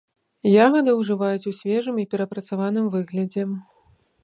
Ягады ўжываюць у свежым і перапрацаваным выглядзе.